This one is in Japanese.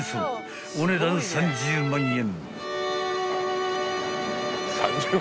［お値段３０万円］